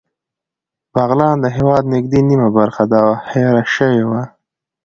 بغلان د هېواد نږدې نیمه برخه ده او هېره شوې وه